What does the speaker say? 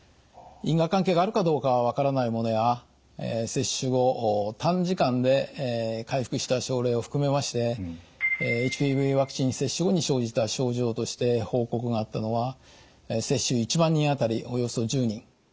因果関係があるかどうかは分からないものや接種後短時間で回復した症例を含めましてＨＰＶワクチン接種後に生じた症状として報告があったのは接種１万人当たりおよそ１０人。